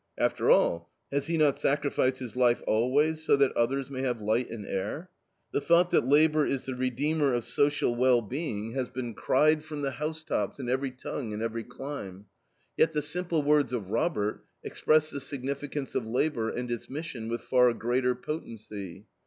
After all, has he not sacrificed his life always, so that others may have light and air? The thought that labor is the redeemer of social well being has been cried from the housetops in every tongue and every clime. Yet the simple words of Robert express the significance of labor and its mission with far greater potency.